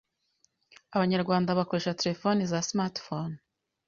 abanyarwanda bakoresha telefone za Smartphone